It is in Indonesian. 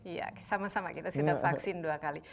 iya sama sama kita sudah vaksin dua kali